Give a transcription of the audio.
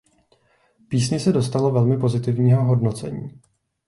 Písni se dostalo velmi pozitivního hodnocení.